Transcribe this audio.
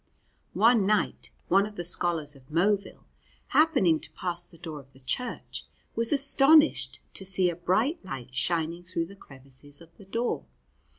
One night, one of the scholars of Moville, happening to pass the door of the church, was astonished to see a bright light shining through the crevices of the door.